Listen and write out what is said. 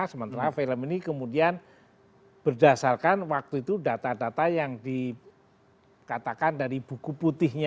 sementara film ini kemudian berdasarkan waktu itu data data yang dikatakan dari buku putihnya